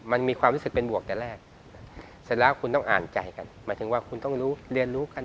มันมีความรู้สึกเป็นบวกแต่แรกเสร็จแล้วคุณต้องอ่านใจกันหมายถึงว่าคุณต้องรู้เรียนรู้กัน